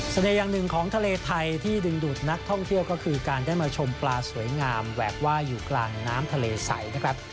อย่างหนึ่งของทะเลไทยที่ดึงดูดนักท่องเที่ยวก็คือการได้มาชมปลาสวยงามแหวกว่าอยู่กลางน้ำทะเลใสนะครับ